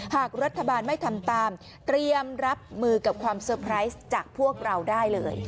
หากรัฐบาลไม่ทำตามเตรียมรับมือกับความเซอร์ไพรส์จากพวกเราได้เลย